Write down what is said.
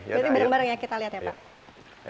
jadi bareng bareng ya kita lihat ya pak